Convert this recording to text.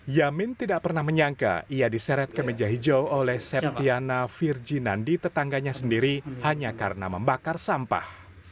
yamin tidak pernah menyangka ia diseret ke meja hijau oleh septiana virjinandi tetangganya sendiri hanya karena membakar sampah